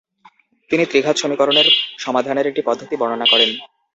তিনি ত্রিঘাত সমীকরণের সমাধানের একটি পদ্ধতি বর্ণনা করেন।